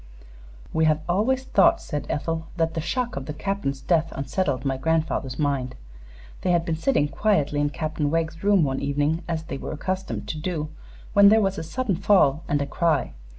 "We have always thought," said Ethel, "that the shock of the Captain's death unsettled my grandfather's mind. They had been sitting quietly in Captain Wegg's room one evening, as they were accustomed to do, when there was a sudden fall and a cry.